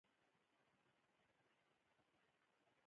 لیلام لیلام غږونه کوي.